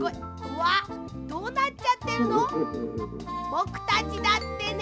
ぼくたちだってね